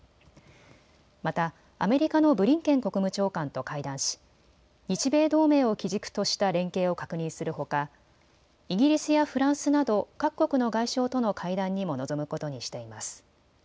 またアメリカのブリンケン国務長官と会談し日米同盟を基軸とした連携を確認するほかイギリスやフランスなど各国の外相との会談にも臨むことにしています。